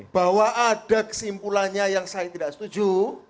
bahwa ada kesimpulannya yang saya tidak setuju